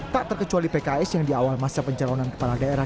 tak terkecuali pks yang di awal masa pencalonan kepala daerah